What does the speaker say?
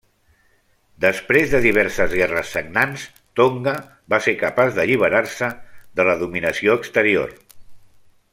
Després de diverses guerres sagnants, Tonga va ser capaç d'alliberar-se de la dominació exterior.